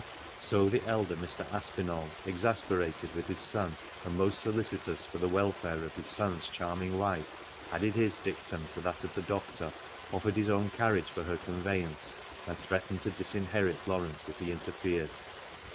So the elder Mr. Aspinall, exasperated with his son, and most solicitous for the welfare of his son's charming wife, added his dictum to that of the doctor, offered his own carriage for her conveyance, and threatened to disinherit Laurence if he interfered.